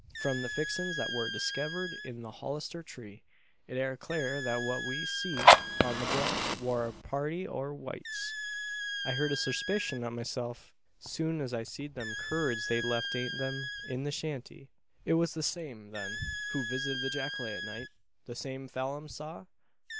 From the fixins that war diskevered in the holler tree, it air clur that what we seed on the Bluff war a party o' whites. I hed a surspishun o't myself soon as I seed them curds they'd left ahint 'em in the shanty." "It was the same, then, who visited the jacale at night the same Phalim saw?"